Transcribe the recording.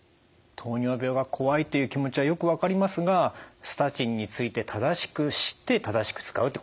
糖尿病が怖いという気持ちはよく分かりますがスタチンについて正しく知って正しく使うってことですね？